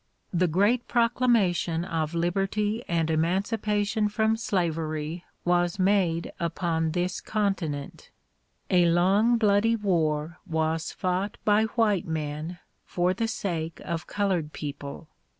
The great proclamation of liberty and emancipation from slavery was made upon this continent. A long bloody war was fought by white men for the sake of colored people.